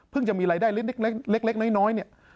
เพิ่งจะมีรายได้เล็กน้อยนี่